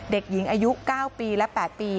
เด็กหญิงอายุ๙ปีและ๘ปี